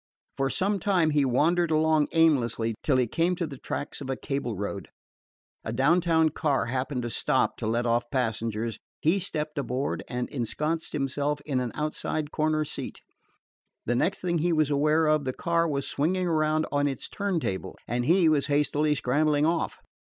For some time he wandered along aimlessly, till he came to the tracks of a cable road. A down town car happening to stop to let off passengers, he stepped aboard and ensconced himself in an outside corner seat. The next thing he was aware of, the car was swinging around on its turn table and he was hastily scrambling off.